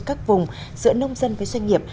các vùng giữa nông dân với doanh nghiệp